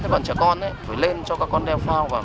còn trẻ con thì phải lên cho các con đeo phao vào